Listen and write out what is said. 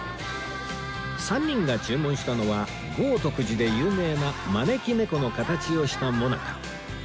３人が注文したのは豪徳寺で有名な招き猫の形をしたもなか